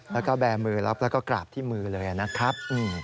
แล้วก็แบร์มือรับแล้วก็กราบที่มือเลยนะครับ